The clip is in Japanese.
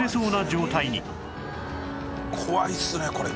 怖いですねこれ。